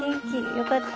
よかった。